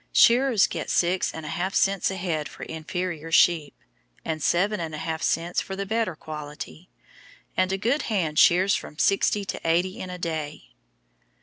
Shearers get six and a half cents a head for inferior sheep, and seven and a half cents for the better quality, and a good hand shears from sixty to eighty in a day.